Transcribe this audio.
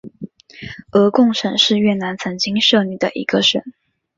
鹅贡省是越南曾经设立的一个省。